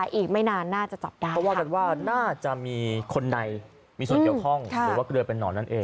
อีกไม่นานน่าจะจับได้เพราะว่ากันว่าน่าจะมีคนในมีส่วนเกี่ยวข้องหรือว่าเกลือเป็นนอนนั่นเอง